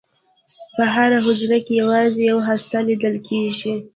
په هره حجره کې یوازې یوه هسته لیدل کېږي.